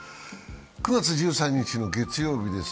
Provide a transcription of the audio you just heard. ９月１３日の月曜日です。